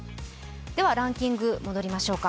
ランキングに戻りましょうか。